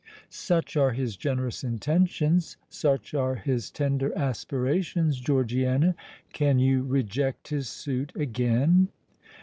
Such are his generous intentions—such are his tender aspirations, Georgiana:—can you reject his suit again?"